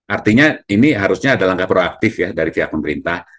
artinya ini harusnya ada langkah proaktif ya dari pihak pemerintah